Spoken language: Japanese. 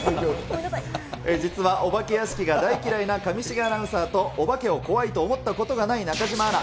実はお化け屋敷が大嫌いな上重アナウンサーと、お化けを怖いと思ったことがない中島アナ。